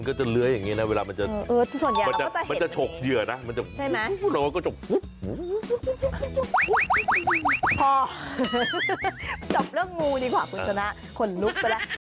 คนลุกก็ได้